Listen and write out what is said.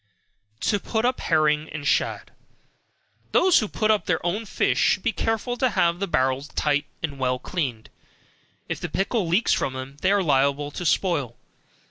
To Put up Herring and Shad. Those that put up their own fish should be careful to have the barrels tight and well cleaned, if the pickle leaks from them, they are liable to spoil.